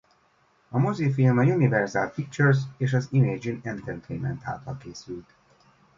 A mozifilm az Universal Pictures és az Imagine Entertainment által készült.